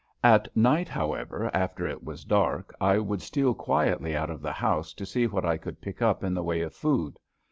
At night, however, after it was dark, I would steal quietly out of the house to see what I could pick up in the way of food.